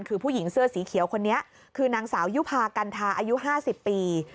คือผู้หญิงเสื้อสีเขียวคนนี้คือนางสาวยุภากันทาอายุ๕๐ปี